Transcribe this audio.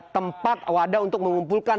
tempat wadah untuk mengumpulkan